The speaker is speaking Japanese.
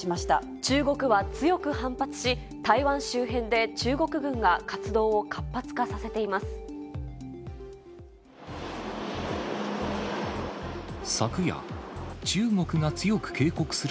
中国は強く反発し、台湾周辺で中国軍が活動を活発化させています。